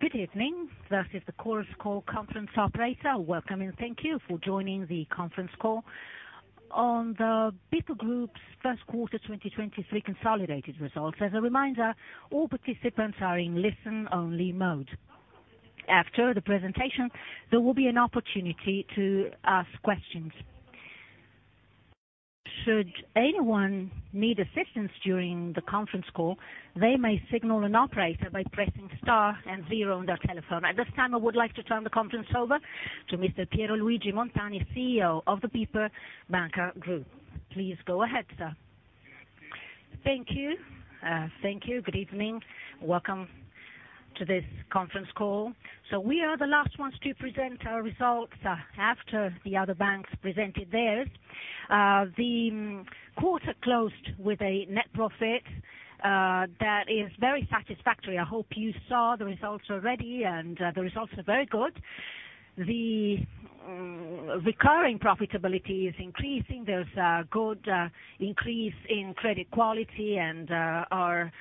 Good evening. This is the Chorus Call conference operator. Welcome and thank you for joining the conference call on the BPER Group's first quarter 2023 consolidated results. As a reminder, all participants are in listen-only mode. After the presentation, there will be an opportunity to ask questions. Should anyone need assistance during the conference call, they may signal an operator by pressing star and zero on their telephone. At this time, I would like to turn the conference over to Mr. Piero Luigi Montani, CEO of the BPER Banca Group. Please go ahead, sir. Thank you. Thank you. Good evening. Welcome to this conference call. We are the last ones to present our results after the other banks presented theirs. The quarter closed with a net profit that is very satisfactory. I hope you saw the results already. The results are very good. The recurring profitability is increasing. There's a good increase in credit quality, our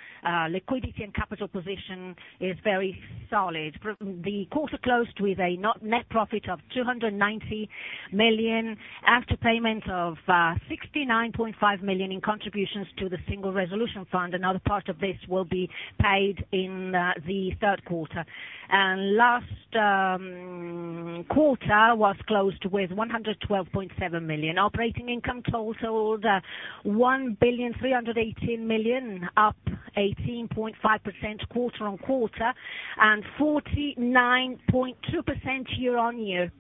liquidity and capital position is very solid. The quarter closed with a not net profit of 290 million after payment of 69.5 million in contributions to the Single Resolution Fund. Another part of this will be paid in the third quarter. Last quarter was closed with 112.7 million. Operating income totaled 1.318 billion, up 18.5% quarter-on-quarter and 49.2% year-on-year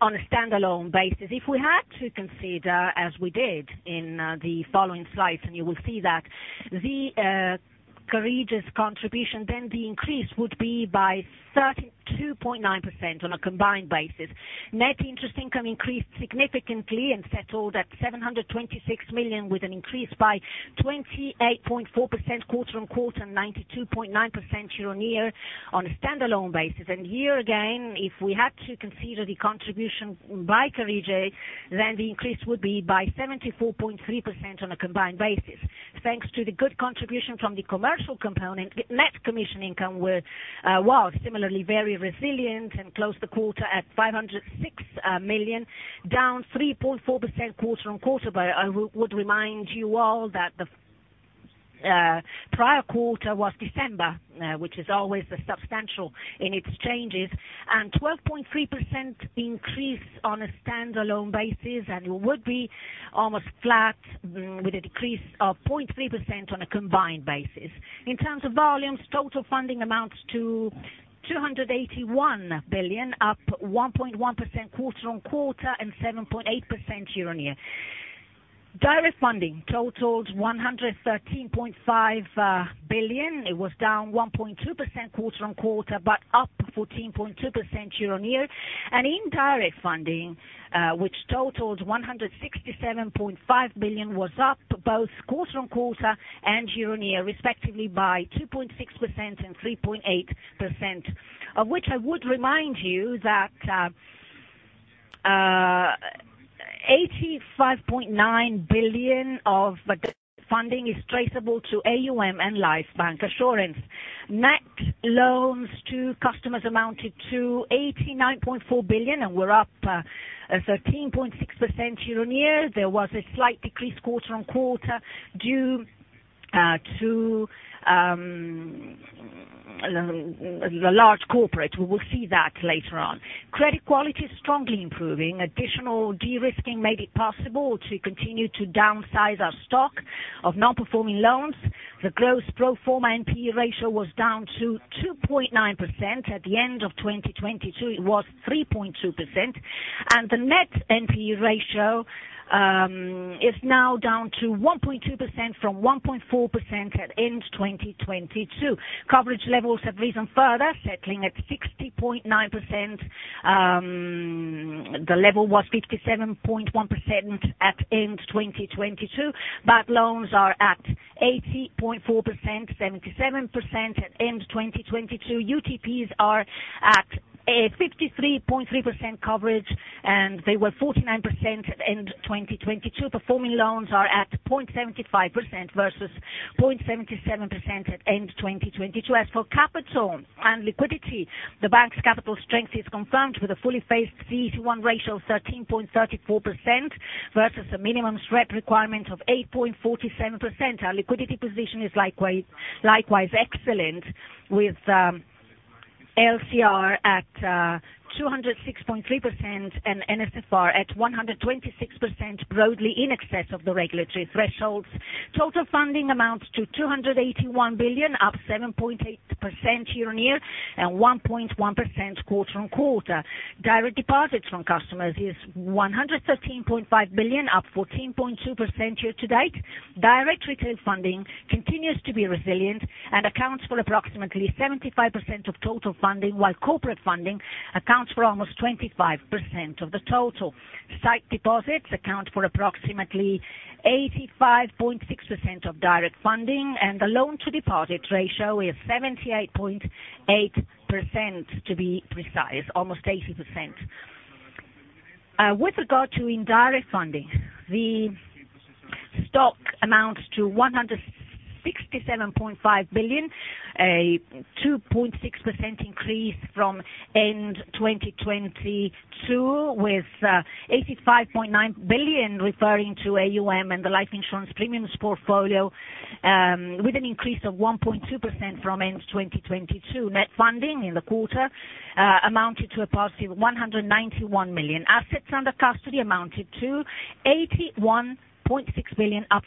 on a standalone basis. If we had to consider, as we did in the following slides, you will see that, the Carige's contribution, then the increase would be by 32.9% on a combined basis. Net interest income increased significantly and settled at 726 million, with an increase by 28.4% quarter-on-quarter, 92.9% year-on-year on a standalone basis. Here again, if we had to consider the contribution by Carige, then the increase would be by 74.3% on a combined basis. Thanks to the good contribution from the commercial component, net commission income was similarly very resilient and closed the quarter at 506 million, down 3.4% quarter-on-quarter. I would remind you all that the prior quarter was December, which is always substantial in its changes, and 12.3% increase on a standalone basis, and it would be almost flat with a decrease of 0.3% on a combined basis. In terms of volumes, total funding amounts to 281 billion, up 1.1% quarter-over-quarter and 7.8% year-over-year. Direct funding totaled 113.5 billion. It was down 1.2% quarter-over-quarter, but up 14.2% year-over-year. Indirect funding, which totaled 167.5 billion, was up both quarter-over-quarter and year-over-year, respectively by 2.6% and 3.8%. Of which I would remind you that 85.9 billion of the funding is traceable to AuM and Life Bancassurance. Net loans to customers amounted to 89.4 billion and were up 13.6% year-over-year. There was a slight decrease quarter-on-quarter due to the large corporate. We will see that later on. Credit quality is strongly improving. Additional de-risking made it possible to continue to downsize our stock of non-performing loans. The gross pro forma NPE ratio was down to 2.9%. At the end of 2022, it was 3.2%. The net NPE ratio is now down to 1.2% from 1.4% at end 2022. Coverage levels have risen further, settling at 60.9%. The level was 57.1% at end 2022. Bad loans are at 80.4%, 77% at end 2022. UTPs are at a 53.3% coverage, and they were 49% at end 2022. Performing loans are at 0.75% versus 0.77% at end 2022. The bank's capital strength is confirmed with a fully phased CET1 ratio of 13.34% versus a minimum SREP requirement of 8.47%. Our liquidity position is likewise excellent with LCR at 206.3% and NSFR at 126%, broadly in excess of the regulatory thresholds. Total funding amounts to 281 billion, up 7.8% year-on-year and 1.1% quarter-on-quarter. Direct deposits from customers is 113.5 billion, up 14.2% year-to-date. Direct retail funding continues to be resilient and accounts for approximately 75% of total funding, while corporate funding accounts for almost 25% of the total. Sight deposits account for approximately 85.6% of direct funding, and the loan-to-deposit ratio is 78.8% to be precise, almost 80%. With regard to indirect funding, the stock amounts to 167.5 billion, a 2.6% increase from end 2022, with 85.9 billion referring to AuM and the life insurance premiums portfolio, with an increase of 1.2% from end 2022. Net funding in the quarter amounted to a positive 191 million. Assets under custody amounted to 81.6 billion, up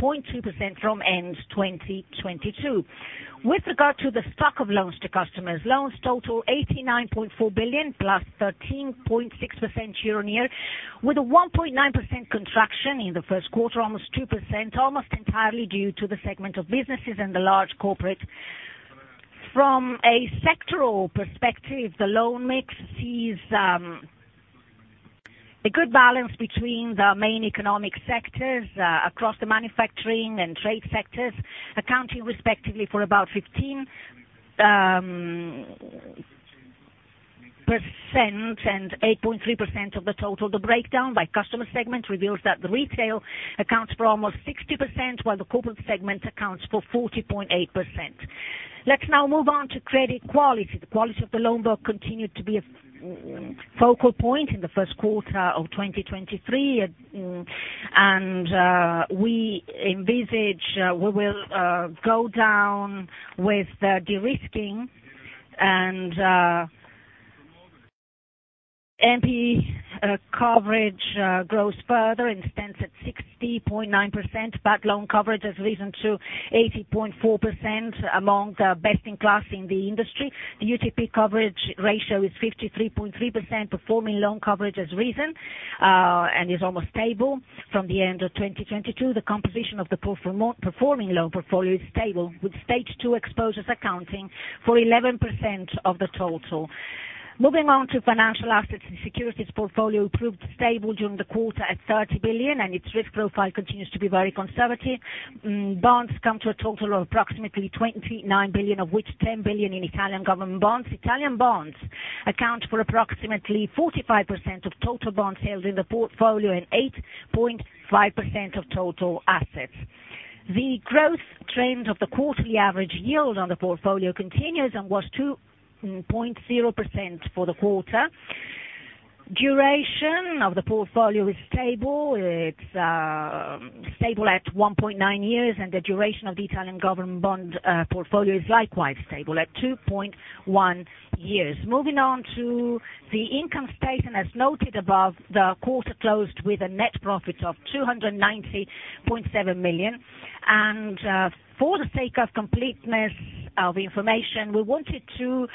4.2% from end 2022. With regard to the stock of loans to customers, loans total 89.4 billion, plus 13.6% year-on-year, with a 1.9% contraction in the first quarter, almost 2%, almost entirely due to the segment of businesses and the large corporate. From a sectoral perspective, the loan mix sees a good balance between the main economic sectors, across the manufacturing and trade sectors, accounting respectively for about 15% and 8.3% of the total. The breakdown by customer segment reveals that the retail accounts for almost 60%, while the corporate segment accounts for 40.8%. Let's now move on to credit quality. The quality of the loan book continued to be a focal point in the first quarter of 2023. We envisage we will go down with the de-risking and NPE coverage grows further and stands at 60.9%. Bad loan coverage has risen to 80.4%, among the best in class in the industry. The UTP coverage ratio is 53.3%. Performing loan coverage has risen and is almost stable from the end of 2022. The composition of the performing loan portfolio is stable, with Stage two exposures accounting for 11% of the total. Moving on to financial assets and securities portfolio proved stable during the quarter at 30 billion, and its risk profile continues to be very conservative. Bonds come to a total of approximately 29 billion, of which 10 billion in Italian government bonds. Italian bonds account for approximately 45% of total bond sales in the portfolio and 8.5% of total assets. The growth trend of the quarterly average yield on the portfolio continues and was 2.0% for the quarter. Duration of the portfolio is stable. It's stable at 1.9 years, and the duration of the Italian government bond portfolio is likewise stable at 2.1 years. Moving on to the income statement. As noted above, the quarter closed with a net profit of 290.7 million. For the sake of completeness of information, we wanted to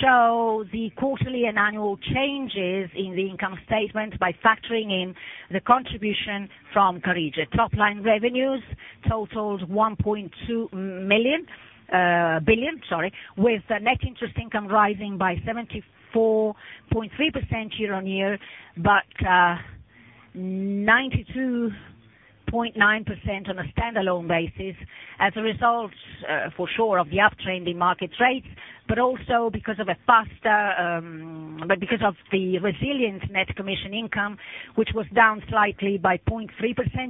show the quarterly and annual changes in the income statement by factoring in the contribution from Carige. Top line revenues totaled 1.2 billion with the net interest income rising by 74.3% year-on-year, 92.9% on a standalone basis as a result for sure of the uptrend in market rates, but also because of the resilient net commission income, which was down slightly by 0.3%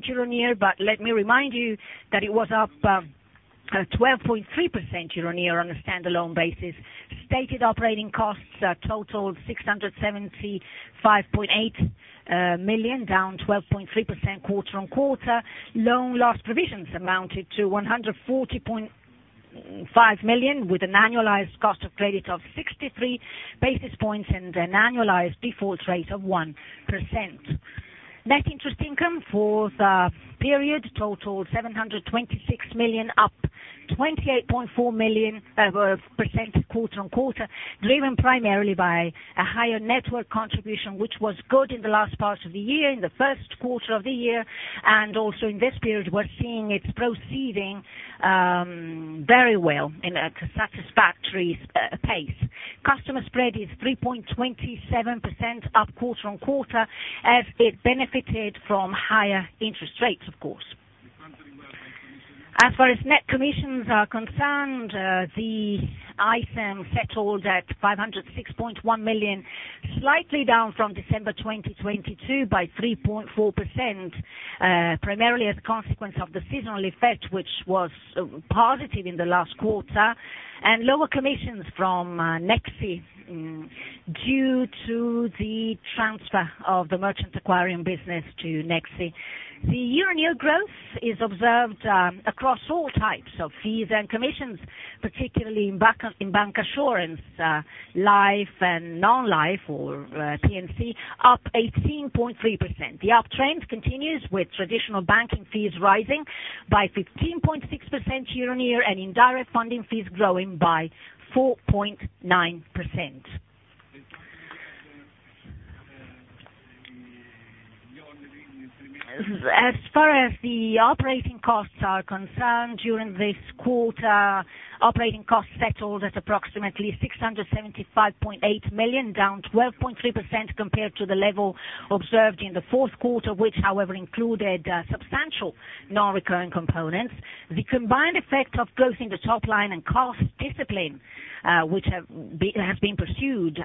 year-on-year. Let me remind you that it was up 12.3% year-on-year on a standalone basis. Stated operating costs totaled 675.8 million, down 12.3% quarter-on-quarter. Loan loss provisions amounted to 140.5 million, with an annualized cost of credit of 63 basis points and an annualized default rate of 1%. Net interest income for the period totaled 726 million, up 28.4 million % quarter-on-quarter, driven primarily by a higher network contribution, which was good in the last part of the year, in the first quarter of the year, and also in this period, we're seeing it proceeding very well in a satisfactory pace. Customer spread is 3.27% up quarter-on-quarter as it benefited from higher interest rates, of course. Net commissions are concerned, the item settled at 506.1 million, slightly down from December 2022 by 3.4%, primarily as a consequence of the seasonal effect, which was positive in the last quarter, and lower commissions from Nexi, due to the transfer of the merchant acquiring business to Nexi. The year-on-year growth is observed across all types of fees and commissions, particularly in bancassurance, life and non-life or P&C, up 18.3%. The uptrend continues with traditional banking fees rising by 15.6% year-on-year and indirect funding fees growing by 4.9%. As far as the operating costs are concerned, during this quarter, operating costs settled at approximately 675.8 million, down 12.3% compared to the level observed in the fourth quarter, which however included substantial non-recurring components. The combined effect of growth in the top line and cost discipline, which has been pursued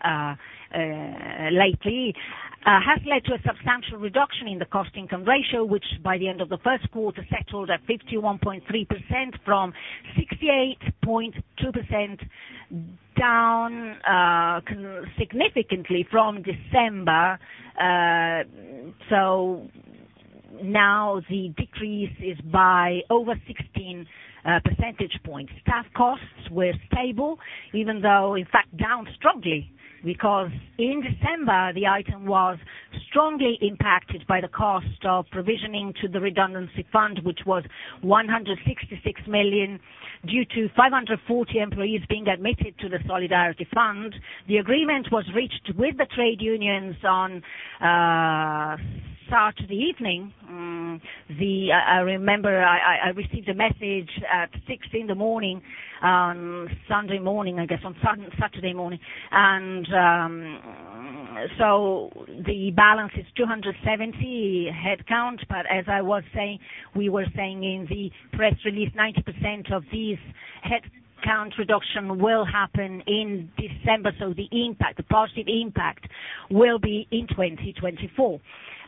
lately, has led to a substantial reduction in the cost/income ratio, which by the end of the first quarter settled at 51.3% from 68.2% down significantly from December. Now the decrease is by over 16 percentage points. Staff costs were stable, even though, in fact, down strongly, because in December the item was strongly impacted by the cost of provisioning to the redundancy fund, which was 166 million, due to 540 employees being admitted to the Solidarity Fund. The agreement was reached with the trade unions on start of the evening. I remember I received a message at 6:00 A.M. on Sunday morning, I guess on Saturday morning. The balance is 270 headcount, but as I was saying, we were saying in the press release, 90% of these headcount reduction will happen in December, so the impact, the positive impact will be in 2024.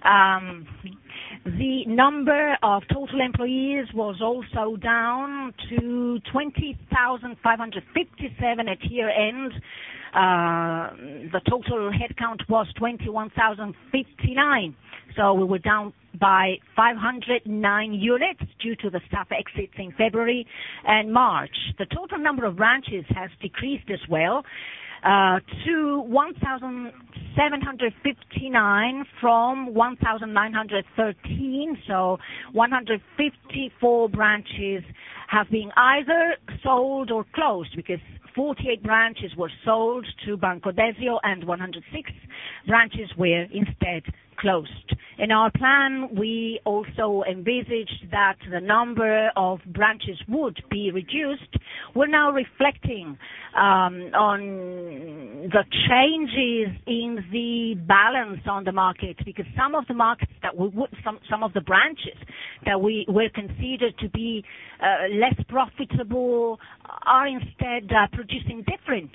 The number of total employees was also down to 20,557 at year-end. The total headcount was 21,059. We were down by 509 units due to the staff exits in February and March. The total number of branches has decreased as well, to 1,759 from 1,913. 154 branches have been either sold or closed because 48 branches were sold to Banco Desio and 106 branches were instead closed. In our plan, we also envisaged that the number of branches would be reduced. We're now reflecting on the changes in the balance on the market, because some of the markets. Some of the branches that we were considered to be less profitable are instead producing different,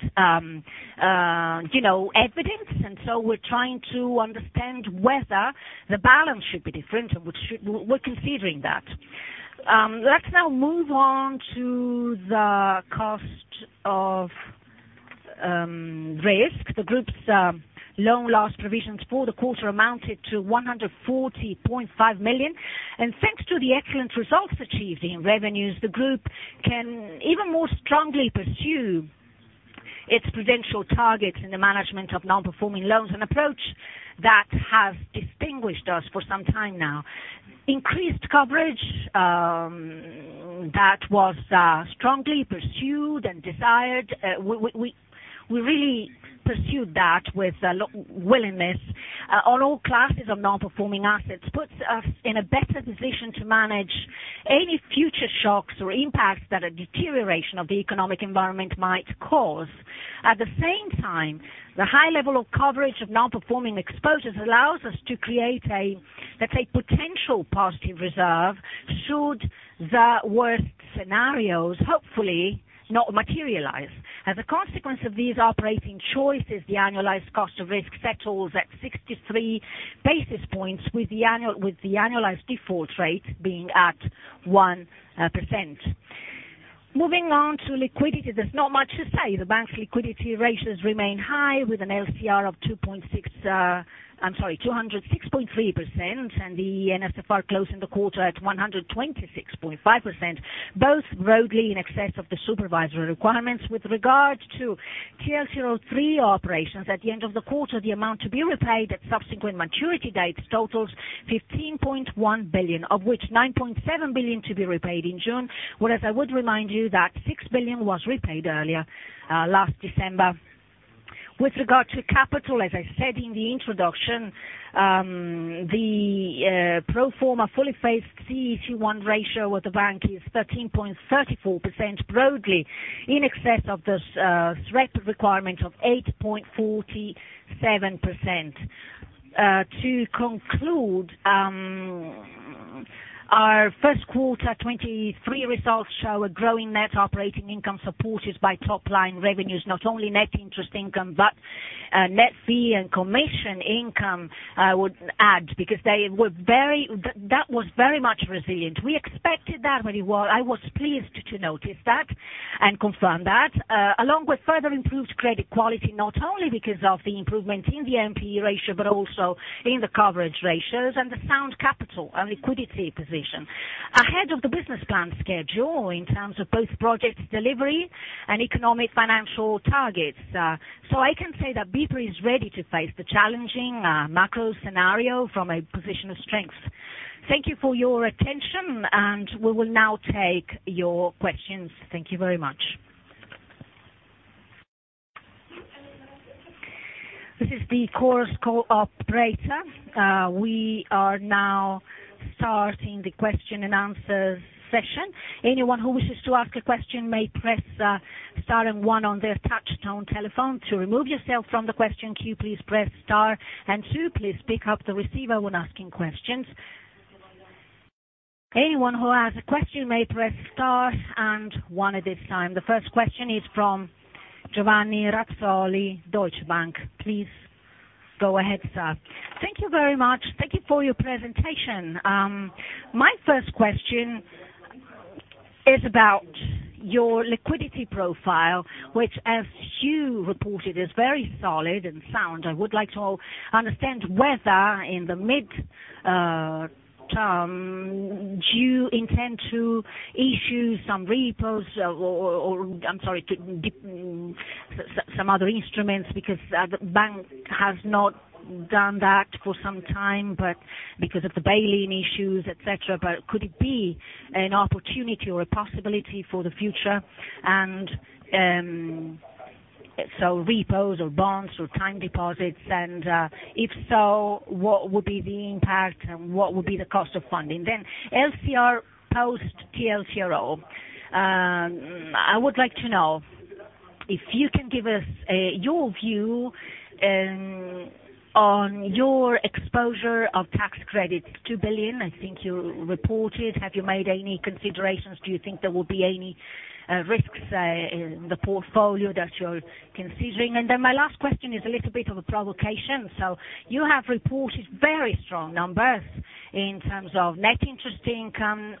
you know, evidence. We're trying to understand whether the balance should be different, and we should, we're considering that. Let's now move on to the cost of risk. The group's loan loss provisions for the quarter amounted to 140.5 million. Thanks to the excellent results achieved in revenues, the group can even more strongly pursue its prudential targets in the management of non-performing loans, an approach that has distinguished us for some time now. Increased coverage that was strongly pursued and desired. We really pursued that with a willingness on all classes of non-performing assets, puts us in a better position to manage any future shocks or impacts that a deterioration of the economic environment might cause. At the same time, the high level of coverage of non-performing exposures allows us to create a, let's say, potential positive reserve should the worst scenarios, hopefully, not materialize. As a consequence of these operating choices, the annualized cost of risk settles at 63 basis points with the annualized default rate being at 1%. Moving on to liquidity, there's not much to say. The bank's liquidity ratios remain high with an LCR of 206.3%, and the NSFR closing the quarter at 126.5%, both broadly in excess of the supervisory requirements. With regards to TLTRO III operations, at the end of the quarter, the amount to be repaid at subsequent maturity dates totals 15.1 billion, of which 9.7 billion to be repaid in June, whereas I would remind you that 6 billion was repaid earlier, last December. With regard to capital, as I said in the introduction, the pro forma fully phased CET1 ratio with the bank is 13.34%, broadly in excess of this threat requirement of 8.47%. To conclude, our first quarter 2023 results show a growing net operating income supported by top line revenues, not only net interest income, net fee and commission income, I would add, because they were very much resilient. We expected that very well. I was pleased to notice that and confirm that. Along with further improved credit quality, not only because of the improvement in the NPE ratio, also in the coverage ratios and the sound capital and liquidity position. Ahead of the business plan schedule in terms of both projects delivery and economic financial targets. I can say that BPER is ready to face the challenging macro scenario from a position of strength. Thank you for your attention, we will now take your questions. Thank you very much. This is the Chorus Call operator. We are now starting the question and answers session. Anyone who wishes to ask a question may press star and one on their touch tone telephone. To remove yourself from the question queue, please press star and two. Please pick up the receiver when asking questions. Anyone who has a question may press star and one at this time. The first question is from Giovanni Razzoli, Deutsche Bank. Please. Go ahead, sir. Thank you very much. Thank you for your presentation. My first question is about your liquidity profile, which as you reported, is very solid and sound. I would like to understand whether in the mid-term, do you intend to issue some repos or I'm sorry, to dip some other instruments because the bank has not done that for some time, but because of the bail in issues, et cetera. Could it be an opportunity or a possibility for the future, repos or bonds or time deposits, if so, what would be the impact and what would be the cost of funding? LCR post TLTRO. I would like to know if you can give us your view on your exposure of tax credits to 2 billion. I think you reported. Have you made any considerations? Do you think there will be any risks in the portfolio that you're considering? My last question is a little bit of a provocation. You have reported very strong numbers in terms of net interest income,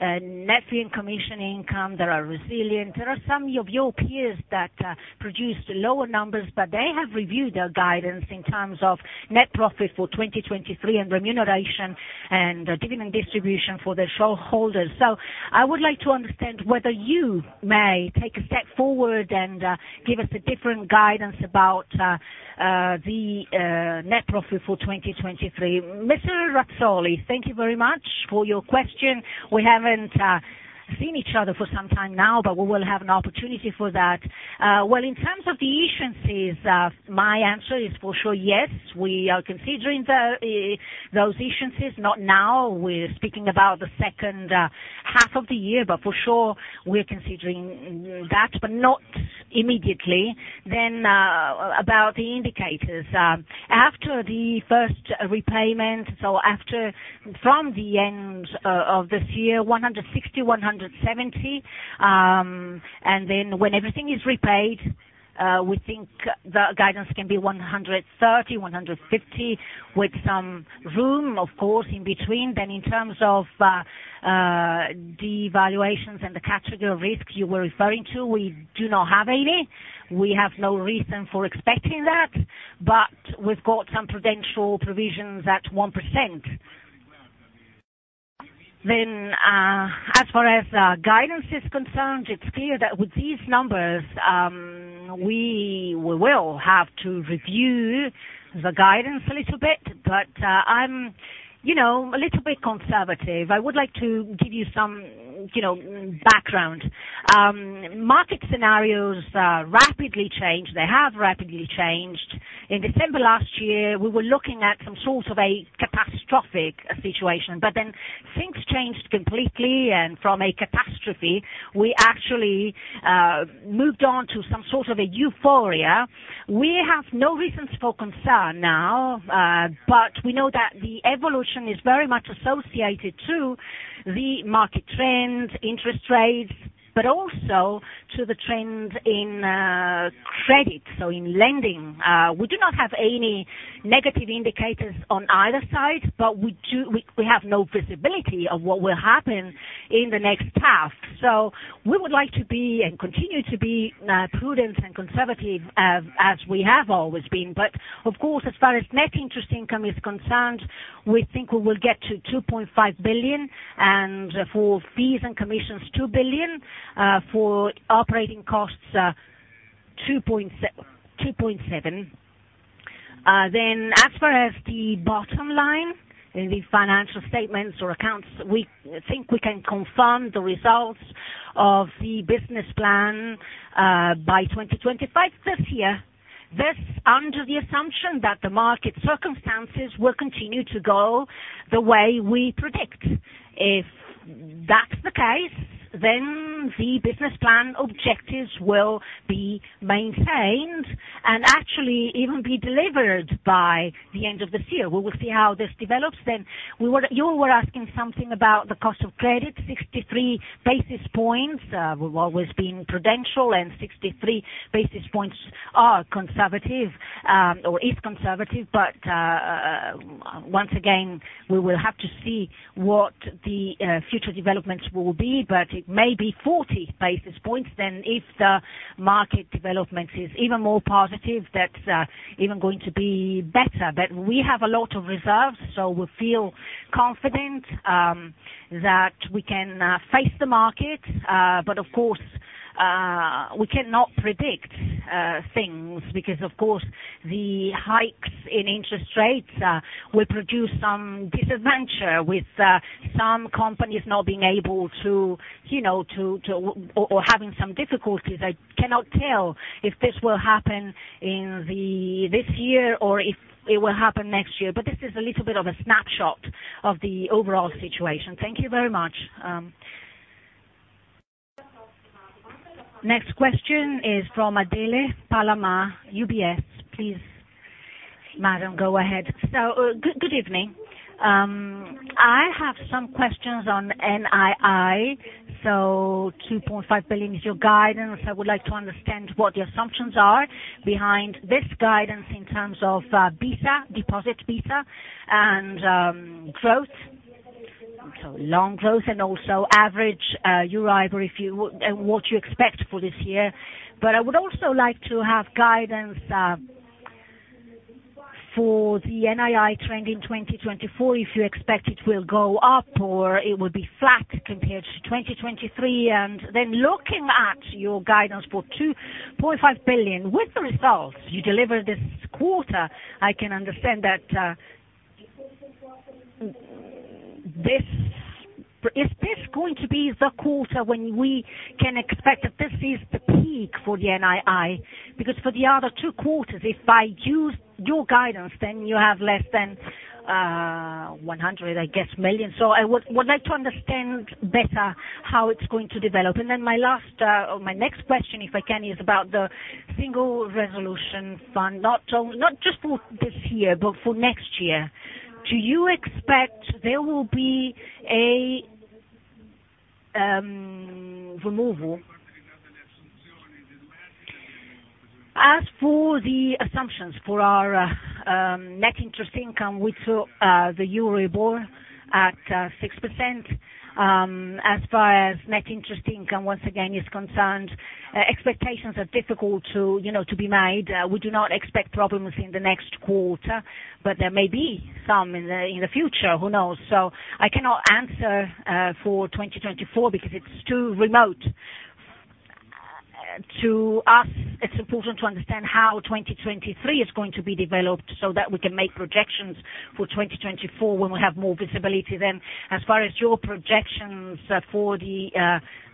net fee and commission income that are resilient. There are some of your peers that produced lower numbers, but they have reviewed their guidance in terms of net profit for 2023 and remuneration and dividend distribution for their shareholders. I would like to understand whether you may take a step forward and give us a different guidance about the net profit for 2023. Mr. Razzoli, thank you very much for your question. We haven't seen each other for some time now, but we will have an opportunity for that. well, in terms of the issuances, my answer is for sure, yes, we are considering those issuances. Not now, we're speaking about the second half of the year, but for sure we're considering that, but not immediately. About the indicators. After the first repayment, so after from the end of this year, 160, 170. When everything is repaid, we think the guidance can be 130, 150, with some room, of course, in between. In terms of the valuations and the category of risk you were referring to, we do not have any. We have no reason for expecting that. We've got some prudential provisions at 1%. As far as guidance is concerned, it's clear that with these numbers, we will have to review the guidance a little bit, but I'm, you know, a little bit conservative. I would like to give you some, you know, background. Market scenarios rapidly change. They have rapidly changed. In December last year, we were looking at some sort of a catastrophic situation. Things changed completely. From a catastrophe, we actually moved on to some sort of a euphoria. We have no reasons for concern now. We know that the evolution is very much associated to the market trends, interest rates, also to the trends in credit, so in lending. We do not have any negative indicators on either side. We do, we have no visibility of what will happen in the next half. We would like to be and continue to be prudent and conservative as we have always been. Of course, as far as net interest income is concerned, we think we will get to 2.5 billion and for fees and commissions, 2 billion, for operating costs, 2.7 billion. As far as the bottom line in the financial statements or accounts, we think we can confirm the results of the business plan, by 2025 this year. This under the assumption that the market circumstances will continue to go the way we predict. If that's the case, then the business plan objectives will be maintained and actually even be delivered by the end of this year. We will see how this develops then. You were asking something about the cost of credit, 63 basis points. We've always been prudential, and 63 basis points are conservative, or is conservative. Once again, we will have to see what the future developments will be, but it may be 40 basis points then if the market development is even more positive, that's even going to be better. We have a lot of reserves, so we feel confident that we can face the market. But of course, we cannot predict things because of course, the hikes in interest rates will produce some disadvantage with some companies not being able to, you know, or having some difficulties. I cannot tell if this will happen in this year or if it will happen next year. This is a little bit of a snapshot of the overall situation. Thank you very much. Next question is from Adele Palama, UBS. Please, madam, go ahead. Good evening. I have some questions on NII. 2.5 billion is your guidance. I would like to understand what the assumptions are behind this guidance in terms of beta, deposit beta and growth. Long growth and also average Euribor what you expect for this year. I would also like to have guidance for the NII trend in 2024, if you expect it will go up or it will be flat compared to 2023. Looking at your guidance for 2.5 billion, with the results you delivered this quarter, I can understand that. Is this going to be the quarter when we can expect that this is the peak for the NII? For the other two quarters, if I use your guidance, then you have less than 100 million, I guess. I would like to understand better how it's going to develop. My last or my next question, if I can, is about the Single Resolution Fund, not just for this year, but for next year. Do you expect there will be a removal? As for the assumptions for our net interest income, we saw the Euribor at 6%. As far as net interest income once again is concerned, expectations are difficult to, you know, to be made. We do not expect problems in the next quarter, but there may be some in the future. Who knows? I cannot answer for 2024 because it's too remote. To us, it's important to understand how 2023 is going to be developed so that we can make projections for 2024 when we have more visibility then. As far as your projections for the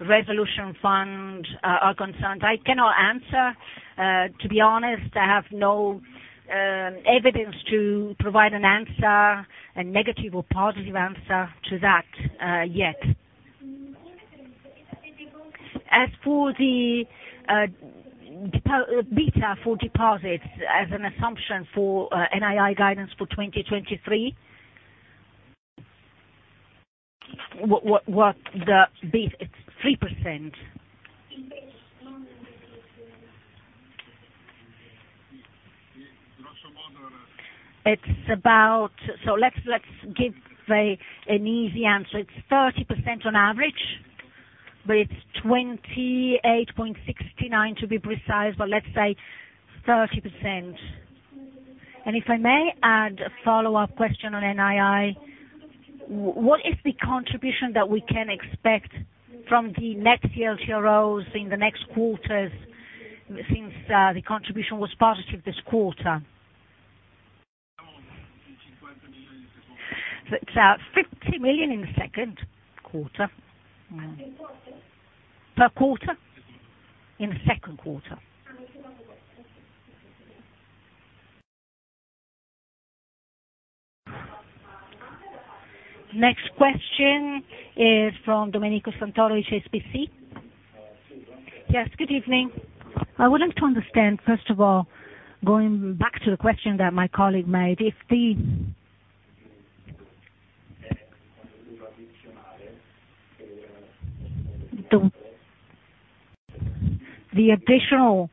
Resolution Fund are concerned, I cannot answer, to be honest. I have no evidence to provide an answer, a negative or positive answer to that yet. As for the deposit beta for deposits as an assumption for NII guidance for 2023. What the beta, it's 3%. It's about... So let's give an easy answer. It's 30% on average, but it's 28.69 to be precise, but let's say 30%. If I may add a follow-up question on NII, what is the contribution that we can expect from the next TLTROs in the next quarters since the contribution was positive this quarter? It's 50 million in the second quarter. Per quarter? In the second quarter. Next question is from Domenico Santoro, HSBC. Good evening. I wanted to understand, first of all, going back to the question that my colleague made, if the additional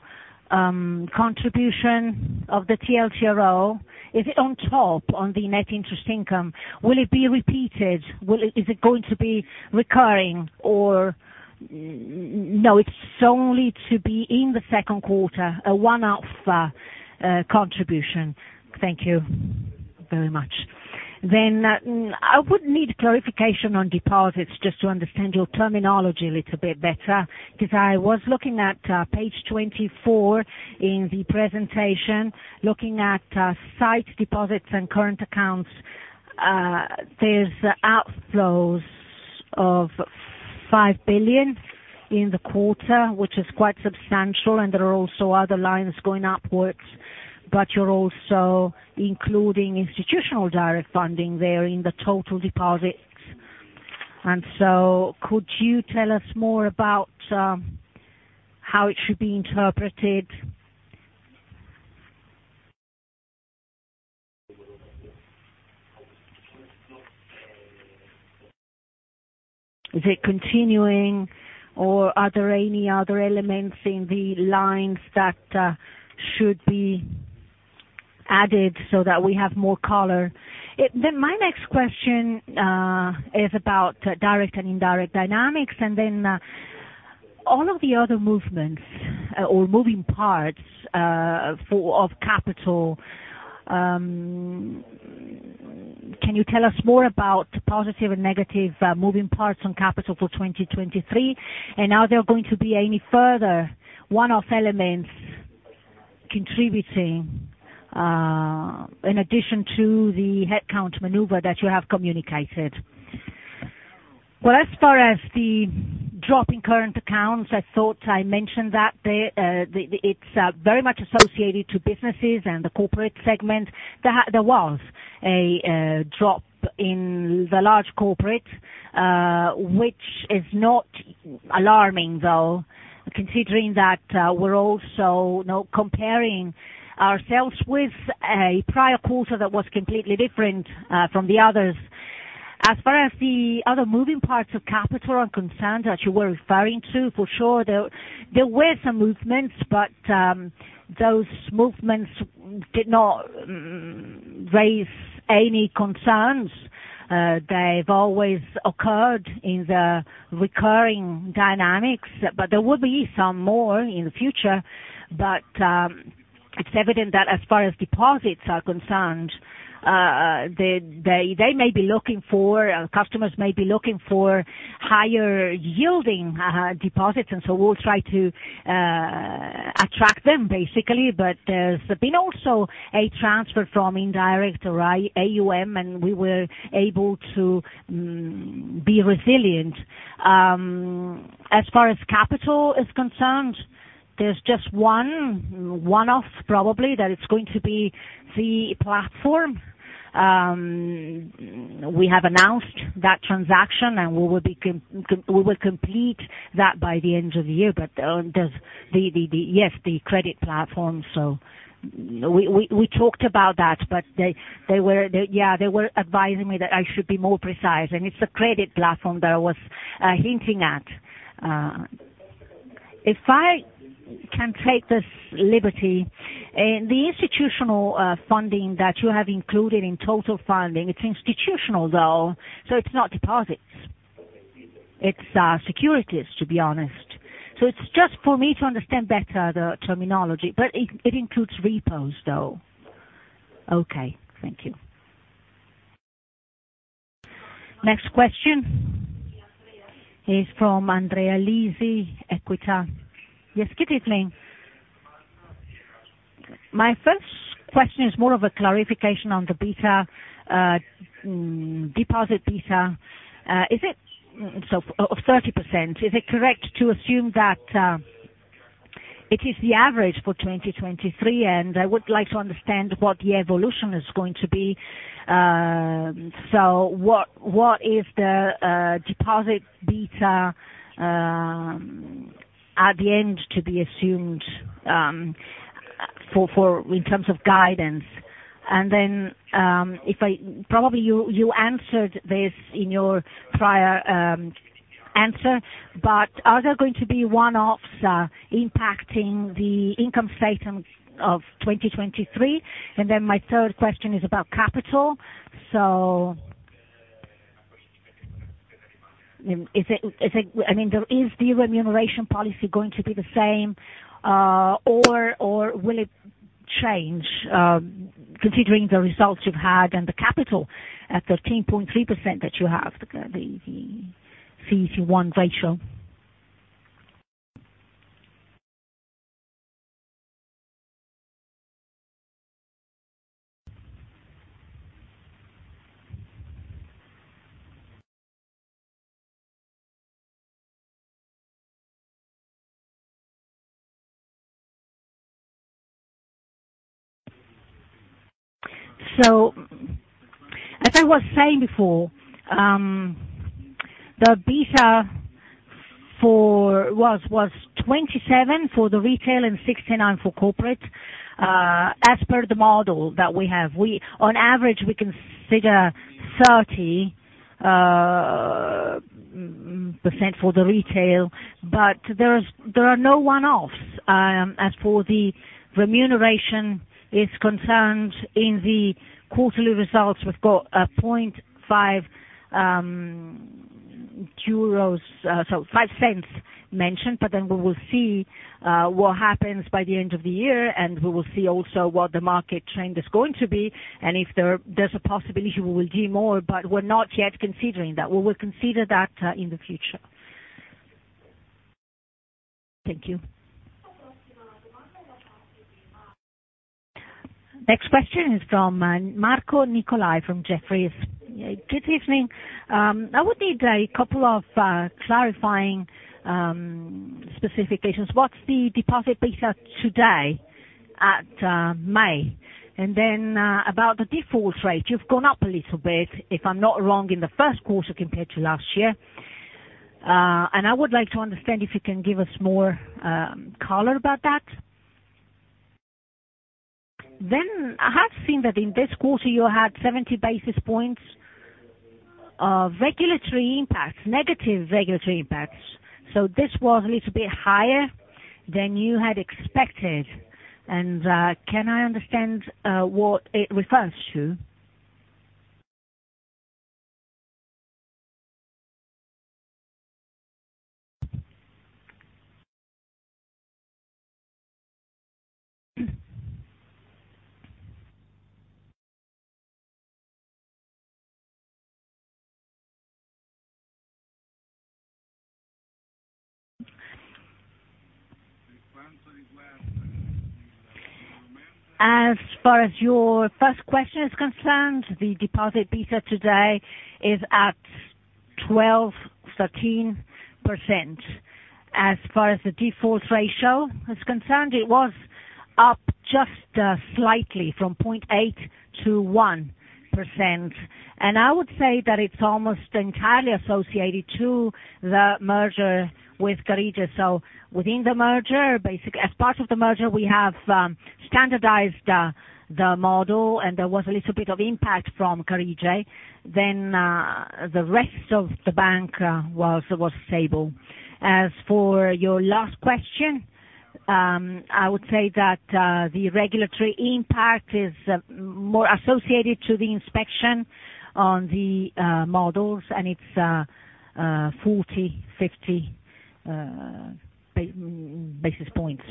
contribution of the TLTRO, is it on top on the net interest income? Will it be repeated? Is it going to be recurring or? No, it's only to be in the second quarter, a one-off contribution. Thank you very much. I would need clarification on deposits just to understand your terminology a little bit better, because I was looking at page 24 in the presentation, looking at site deposits and current accounts. There's outflows of 5 billion in the quarter, which is quite substantial, and there are also other lines going upwards, but you're also including institutional direct funding there in the total deposits. Could you tell us more about how it should be interpreted? Is it continuing or are there any other elements in the lines that should be added so that we have more color? My next question is about direct and indirect dynamics, and all of the other movements or moving parts of capital. Can you tell us more about positive and negative moving parts on capital for 2023? Are there going to be any further one-off elements contributing in addition to the headcount maneuver that you have communicated? As far as the drop in current accounts, I thought I mentioned that it's very much associated to businesses and the corporate segment. There was a drop in the large corporate, which is not alarming, though, considering that we're also, you know, comparing ourselves with a prior quarter that was completely different from the others. As far as the other moving parts of capital are concerned, that you were referring to, for sure there were some movements, but those movements did not raise any concerns. They've always occurred in the recurring dynamics, but there will be some more in the future. It's evident that as far as deposits are concerned, they may be looking for, customers may be looking for higher yielding, deposits, and so we'll try to attract them basically. There's been also a transfer from indirect to AuM, and we were able to be resilient. As far as capital is concerned, there's just one of probably that it's going to be the platform. We have announced that transaction, and we will complete that by the end of the year. Yes, the credit platform. We talked about that, but they were advising me that I should be more precise, and it's the credit platform that I was hinting at. If I can take this liberty, in the institutional funding that you have included in total funding, it's institutional though, so it's not deposits. It's securities, to be honest. It's just for me to understand better the terminology, but it includes repos, though. Okay, thank you. Next question is from Andrea Lisi, Equita. Yes, good evening. My first question is more of a clarification on the beta, deposit beta. Is it... So of 30%, is it correct to assume that it is the average for 2023? I would like to understand what the evolution is going to be. What is the deposit beta at the end to be assumed for... In terms of guidance? If I... Probably you answered this in your prior answer, but are there going to be one-offs impacting the income statement of 2023? My third question is about capital. Is the remuneration policy going to be the same or will it change considering the results you've had and the capital at 13.3% that you have, the CET1 ratio? As I was saying before, the beta for was 27 for the retail and 69 for corporate as per the model that we have. We, on average, consider 30% for the retail, but there are no one-offs. As for the remuneration is concerned, in the quarterly results, we've got a 0.05 mentioned, we will see what happens by the end of the year, and we will see also what the market trend is going to be, and if there's a possibility we will do more, but we're not yet considering that. We will consider that in the future. Thank you. Next question is from Marco Nicolai from Jefferies. Good evening. I would need a couple of clarifying specifications. What's the deposit beta today at May? About the default rate. You've gone up a little bit, if I'm not wrong, in the first quarter compared to last year. I would like to understand if you can give us more color about that. I have seen that in this quarter you had 70 basis points of regulatory impact, negative regulatory impacts, so this was a little bit higher than you had expected. Can I understand what it refers to? As far as your first question is concerned, the deposit beta today is at 12%-13%. As far as the default ratio is concerned, it was up just slightly from 0.8%-1%. I would say that it's almost entirely associated to the merger with Carige. Within the merger, as part of the merger, we have standardized the model, and there was a little bit of impact from Carige. The rest of the bank was stable. As for your last question, I would say that the regulatory impact is more associated to the inspection on the models, and it's 40, 50 basis points.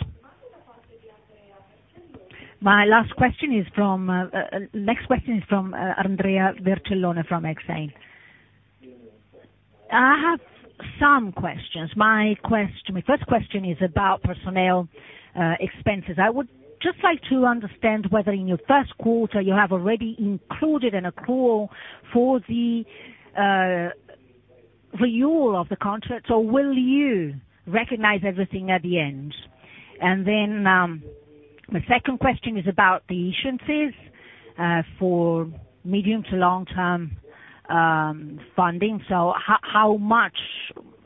My next question is from Andrea Vercellone from Exane. I have some questions. My first question is about personnel expenses. I would just like to understand whether in your first quarter you have already included an accrual for the renewal of the contract, or will you recognize everything at the end? My second question is about the issuances for medium to long-term funding. How much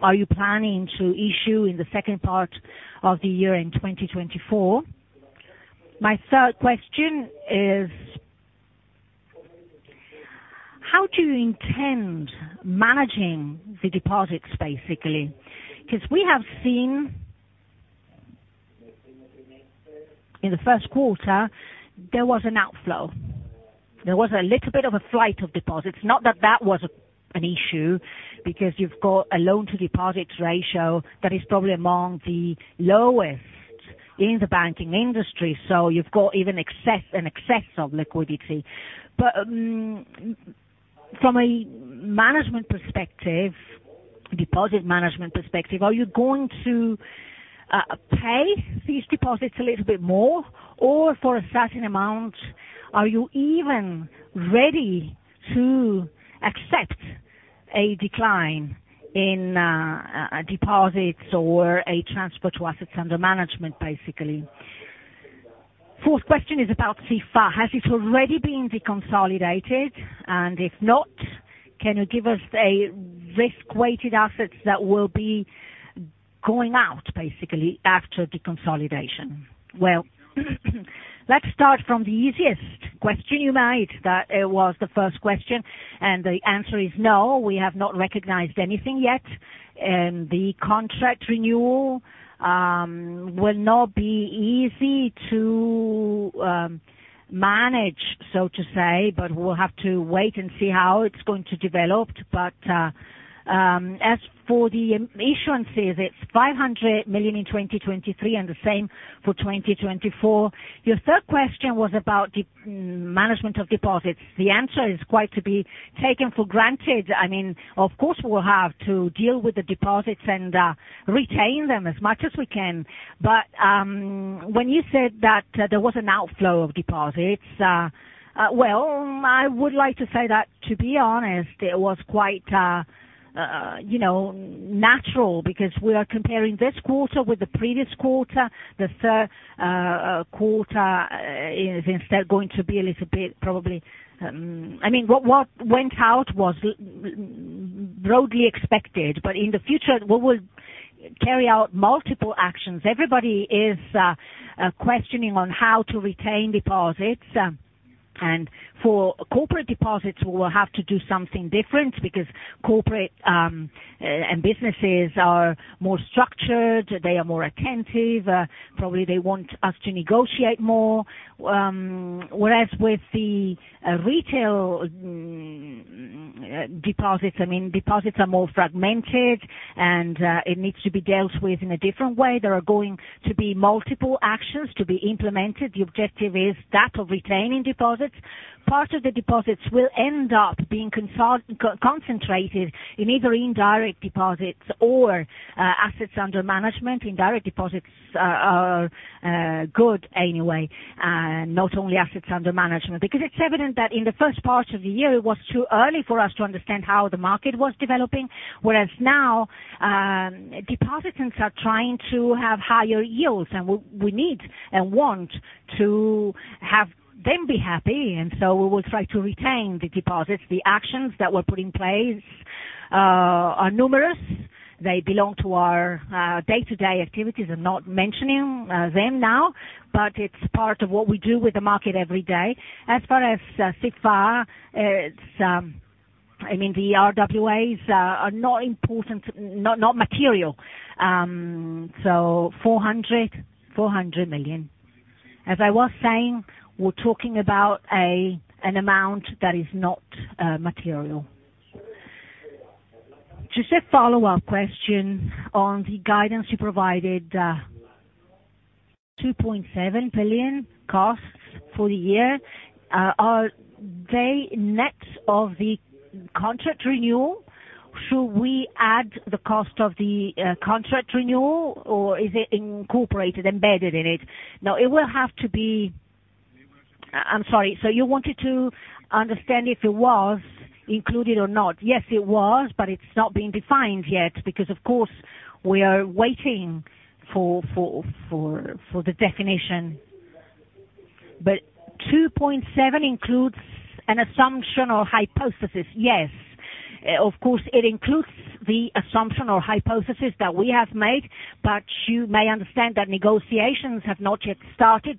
are you planning to issue in the second part of the year in 2024? My third question is, how do you intend managing the deposits, basically? We have seen in the first quarter, there was an outflow. There was a little bit of a flight of deposits. Not that that was an issue, because you've got a loan-to-deposit ratio that is probably among the lowest in the banking industry, so you've got even an excess of liquidity. From a management perspective, deposit management perspective, are you going to pay these deposits a little bit more? Or for a certain amount, are you even ready to accept a decline in deposits or a transfer to assets under management, basically? Fourth question is about SIFÀ. Has it already been deconsolidated? If not, can you give us a risk-weighted assets that will be going out, basically, after deconsolidation? Let's start from the easiest question you made. That it was the first question. The answer is no, we have not recognized anything yet. The contract renewal will not be easy to manage, so to say. We'll have to wait and see how it's going to develop. As for the issuances, it's 500 million in 2023 and the same for 2024. Your third question was about management of deposits. The answer is quite to be taken for granted. I mean, of course, we'll have to deal with the deposits and retain them as much as we can. When you said that there was an outflow of deposits, well, I would like to say that, to be honest, it was quite, you know, natural, because we are comparing this quarter with the previous quarter. The third quarter is instead going to be a little bit, probably, I mean, what went out was broadly expected. In the future, we will carry out multiple actions. Everybody is questioning on how to retain deposits. For corporate deposits, we will have to do something different because corporate and businesses are more structured, they are more attentive, probably they want us to negotiate more. Whereas with the retail deposits, I mean, deposits are more fragmented and it needs to be dealt with in a different way. There are going to be multiple actions to be implemented. The objective is that of retaining deposits. Part of the deposits will end up being concentrated in either indirect deposits or assets under management. Indirect deposits are good anyway, not only assets under management. It's evident that in the first part of the year, it was too early for us to understand how the market was developing, whereas now, depositants are trying to have higher yields, and we need and want to have them be happy. We will try to retain the deposits. The actions that were put in place are numerous. They belong to our day-to-day activities. I'm not mentioning them now, but it's part of what we do with the market every day. As far as SIFÀ, I mean, the RWAs are not important, not material. So 400 million. As I was saying, we're talking about an amount that is not material. Just a follow-up question on the guidance you provided, 2.7 billion costs for the year. Are they net of the contract renewal? Should we add the cost of the contract renewal, or is it incorporated, embedded in it? I'm sorry. You wanted to understand if it was included or not? Yes, it was, but it's not been defined yet because of course, we are waiting for the definition. 2.7 includes an assumption or hypothesis, yes. Of course, it includes the assumption or hypothesis that we have made, but you may understand that negotiations have not yet started.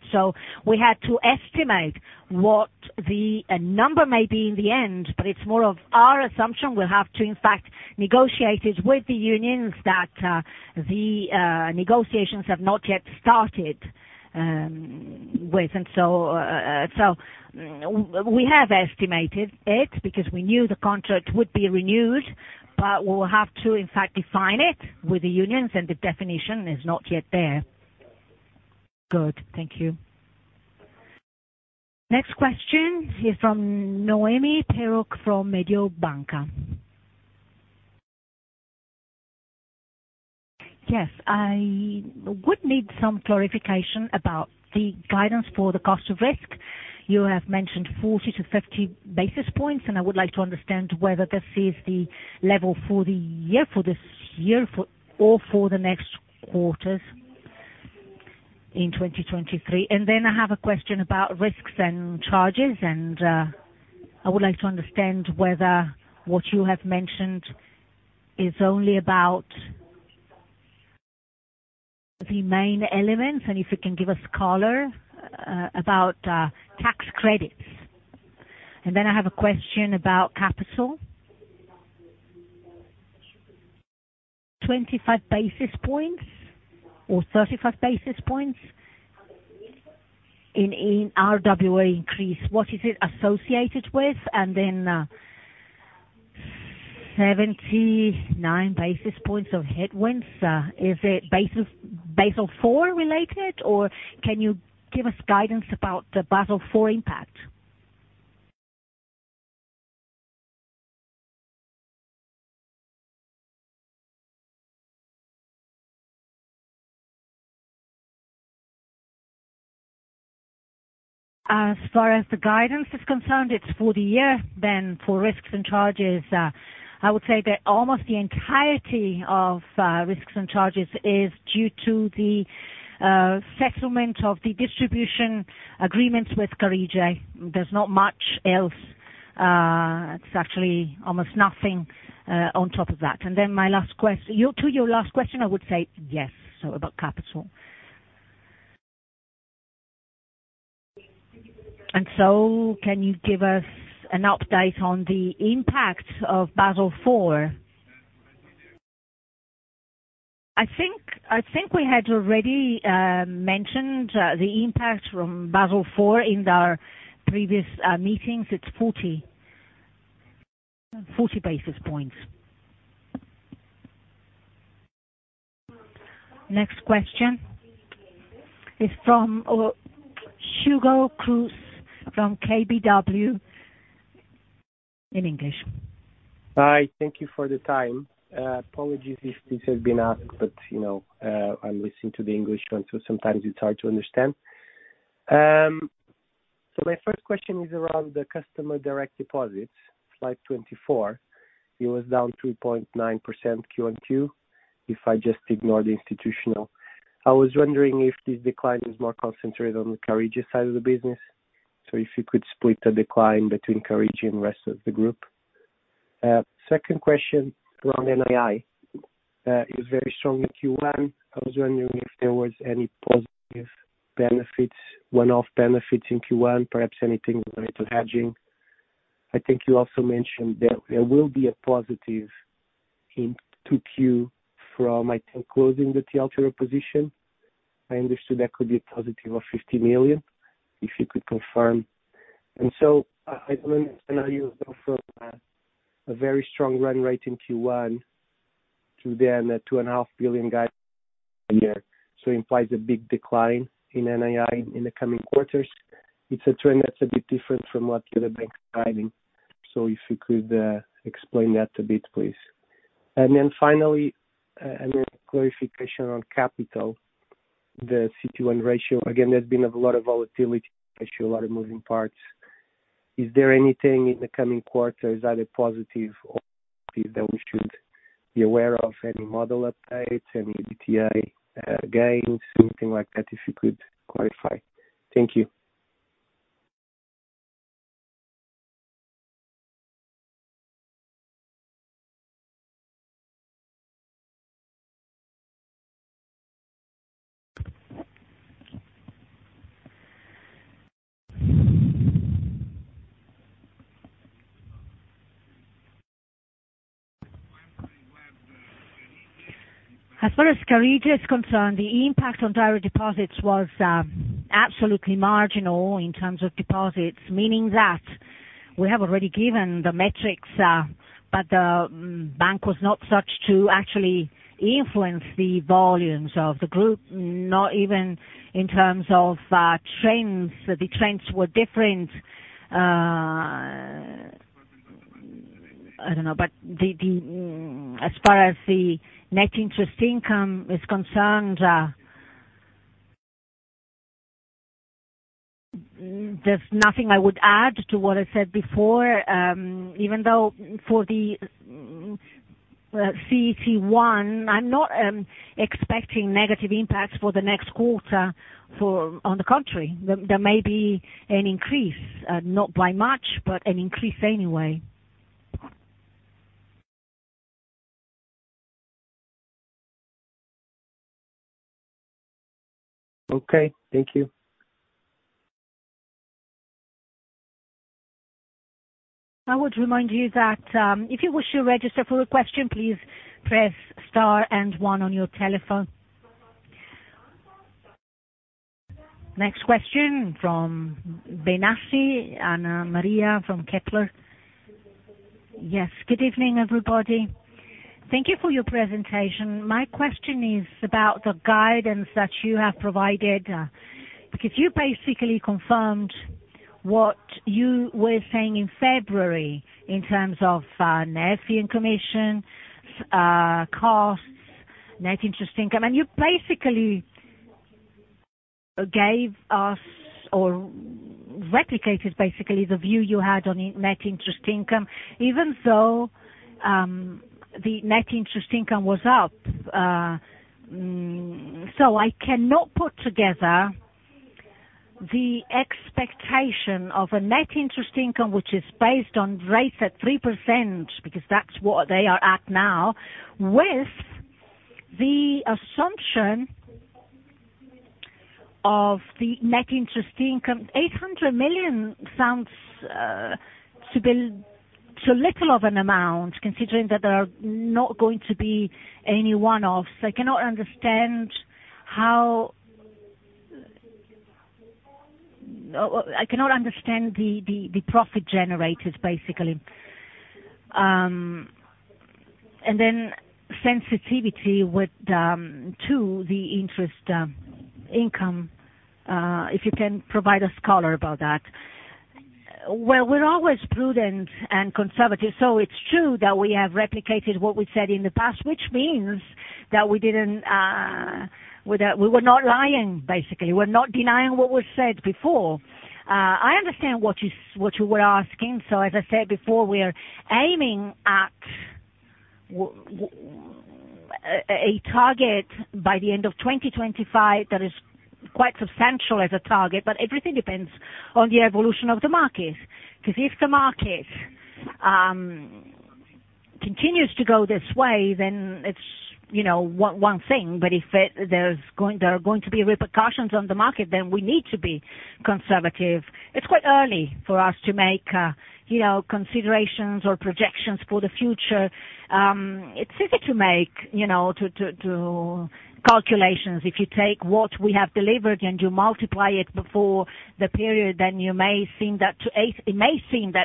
We had to estimate what the number may be in the end, but it's more of our assumption. We'll have to in fact negotiate it with the unions that the negotiations have not yet started with. We have estimated it because we knew the contract would be renewed, but we'll have to in fact define it with the unions, and the definition is not yet there. Good. Thank you. Next question is from Noemi Peruch from Mediobanca. Yes. I would need some clarification about the guidance for the cost of risk. You have mentioned 40 to 50 basis points, and I would like to understand whether this is the level for the year, for this year, for the next quarters in 2023. I have a question about risks and charges, and I would like to understand whether what you have mentioned is only about the main elements, and if you can give us color about tax credits. I have a question about capital. 25 basis points or 35 basis points in RWA increase. What is it associated with? 79 basis points of headwinds, is it Basel IV-related, or can you give us guidance about the Basel IV impact? As far as the guidance is concerned, it's for the year then for risks and charges. I would say that almost the entirety of risks and charges is due to the settlement of the distribution agreements with Carige. There's not much else. It's actually almost nothing on top of that. My last question, I would say yes, about capital. Can you give us an update on the impact of Basel IV? I think we had already mentioned the impact from Basel IV in our previous meetings. It's 40 basis points. Next question is from Hugo Cruz from KBW in English. Hi, thank you for the time. Apologies if this has been asked, you know, I'm listening to the English one, so sometimes it's hard to understand. My first question is around the customer direct deposits, slide 24. It was down 2.9% QonQ, if I just ignore the institutional. I was wondering if this decline is more concentrated on the Carige side of the business. If you could split the decline between Carige and rest of the group. Second question around NII, it was very strong in Q1. I was wondering if there was any positive benefits, one-off benefits in Q1, perhaps anything related to hedging. I think you also mentioned there will be a positive in 2Q from, I think, closing the TLTRO position. I understood that could be a positive of 50 million, if you could confirm. I don't understand how you go from a very strong run rate in Q1 to then a 2.5 billion guide a year. It implies a big decline in NII in the coming quarters. It's a trend that's a bit different from what the other banks are guiding. If you could explain that a bit, please. Finally, clarification on capital, the CET1 ratio. Again, there's been a lot of volatility ratio, a lot of moving parts. Is there anything in the coming quarters, either positive or negative, that we should be aware of? Any model updates, any DTI gains, anything like that, if you could clarify? Thank you. As far as Carige is concerned, the impact on direct deposits was absolutely marginal in terms of deposits, meaning that we have already given the metrics, the bank was not such to actually influence the volumes of the BPER Group, not even in terms of trends. The trends were different, I don't know, as far as the net interest income is concerned, there's nothing I would add to what I said before, even though for the CET1, I'm not expecting negative impacts for the next quarter. On the contrary, there may be an increase, not by much, an increase anyway. Okay, thank you. I would remind you that, if you wish to register for a question, please press star one on your telephone. Next question from Benassi, Anna Maria from Kepler. Yes. Good evening, everybody. Thank you for your presentation. My question is about the guidance that you have provided, because you basically confirmed what you were saying in February in terms of net fee and commission, costs, net interest income. You basically gave us or replicated basically the view you had on net interest income, even though the net interest income was up. I cannot put together the expectation of a net interest income, which is based on rates at 3%, because that's what they are at now, with the assumption of the net interest income. 800 million sounds to be too little of an amount, considering that there are not going to be any one-offs. I cannot understand how. Well, I cannot understand the profit generators, basically. And then sensitivity with to the interest income, if you can provide us color about that. Well, we're always prudent and conservative, so it's true that we have replicated what we said in the past, which means that we didn't, we were not lying, basically. We're not denying what was said before. I understand what you were asking. As I said before, we are aiming at a target by the end of 2025 that is quite substantial as a target, but everything depends on the evolution of the market. If the market continues to go this way, then it's, you know, one thing, but there are going to be repercussions on the market, then we need to be conservative. It's quite early for us to make, you know, considerations or projections for the future. It's easy to make, you know, calculations. If you take what we have delivered and you multiply it before the period, then it may seem that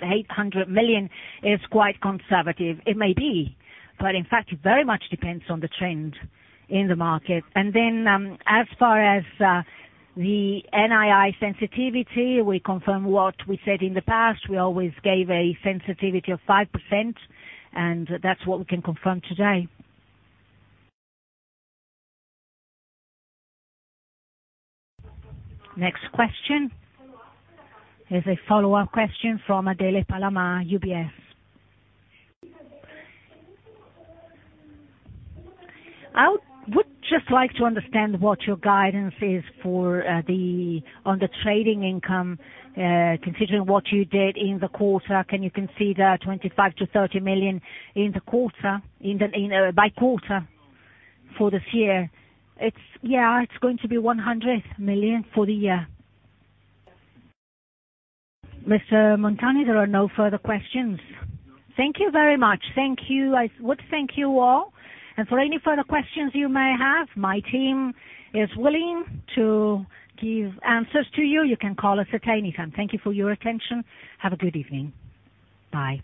800 million is quite conservative. It may be, but in fact it very much depends on the trend in the market. As far as the NII sensitivity, we confirm what we said in the past. We always gave a sensitivity of 5%, and that's what we can confirm today. Next question is a follow-up question from Adele Palama, UBS. I would just like to understand what your guidance is for on the trading income, considering what you did in the quarter. Can you consider 25 million-30 million by quarter for this year? Yeah, it's going to be 100 million for the year. Mr. Montani, there are no further questions. Thank you very much. Thank you. I would thank you all. For any further questions you may have, my team is willing to give answers to you. You can call us at any time. Thank you for your attention. Have a good evening. Bye.